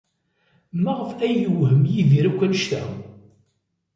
Maɣef ay yewhem Yidir akk anect-a?